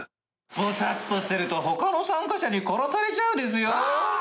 ぼさっとしてると他の参加者に殺されちゃうですよ？